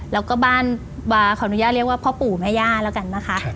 แล้วก็บ้านขออนุญาตเรียกว่าพ่อปู่แม่ย่าแล้วกันนะคะ